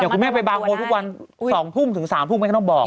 คุณแม่ไปบางโมทุกวัน๒ทุ่มถึง๓ทุ่มไม่ต้องบอก